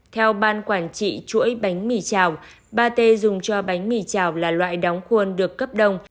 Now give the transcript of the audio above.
theo ban quản trị chuỗi bánh mì chảo pate dùng cho bánh mì chảo là loại đóng khuôn được cấp đông